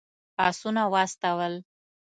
آسونه واستول.